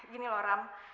gini loh ram